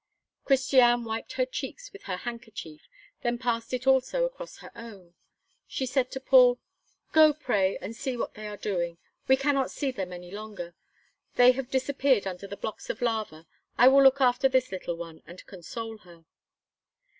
Christiane wiped her cheeks with her handkerchief, then passed it also across her own. She said to Paul: "Go, pray, and see what they are doing. We cannot see them any longer. They have disappeared under the blocks of lava. I will look after this little one, and console her."